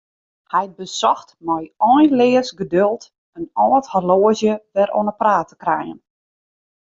Hy besocht mei einleas geduld in âld horloazje wer oan 'e praat te krijen.